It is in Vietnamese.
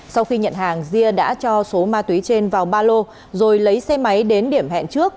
sau khi nhận hàng dia đã cho số ma túy trên vào ba lô rồi lấy xe máy đến điểm hẹn trước